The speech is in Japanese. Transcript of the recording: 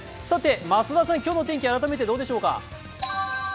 増田さん、今日の天気は改めてどうでしょうか？